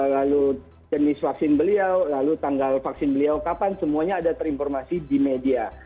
lalu jenis vaksin beliau lalu tanggal vaksin beliau kapan semuanya ada terinformasi di media